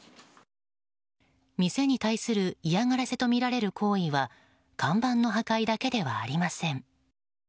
店に対する嫌がらせとみられる行為は看板の破壊だけではありません。